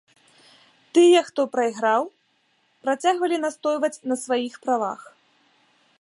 Тыя хто прайграў працягвалі настойваць на сваіх правах.